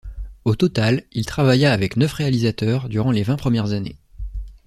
Au total, il travailla avec neuf réalisateurs durant les vingt premières années.